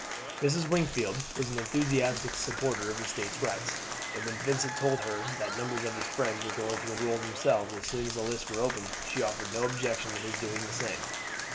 Mrs. Wingfield was an enthusiastic supporter of State rights; and when Vincent told her that numbers of his friends were going to enroll themselves as soon as the lists were opened, she offered no objection to his doing the same.